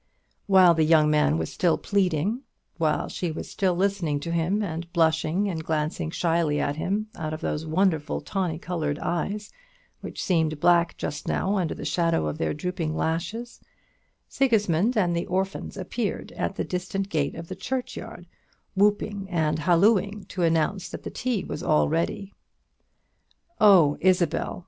While the young man was still pleading, while she was still listening to him, and blushing and glancing shyly at him out of those wonderful tawny coloured eyes, which seemed black just now under the shadow of their drooping lashes, Sigismund and the orphans appeared at the distant gate of the churchyard whooping and hallooing, to announce that the tea was all ready. "Oh, Isabel!"